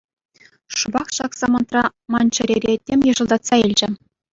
Шӑпах ҫак самантра ман чӗрере тем йӑшӑлтатса илчӗ.